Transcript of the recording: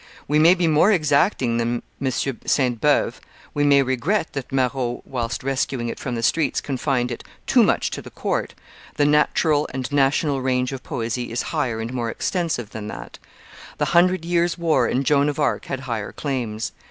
We may be more exacting than M. Sainte Beuve; we may regret that Marot, whilst rescuing it from the streets, confined it too much to the court; the natural and national range of poesy is higher and more extensive than that; the Hundred Years' War and Joan of Arc had higher claims.